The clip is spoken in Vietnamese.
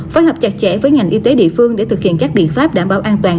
phối hợp chặt chẽ với ngành y tế địa phương để thực hiện các biện pháp đảm bảo an toàn